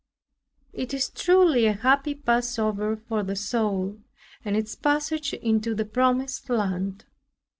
It is truly a happy passover for the soul, and its passage into the promised land.